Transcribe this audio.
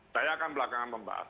saya akan belakangan membahas